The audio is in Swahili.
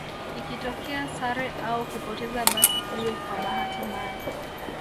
Ikitokea sare au kupoteza basi iwe kwa bahati mbaya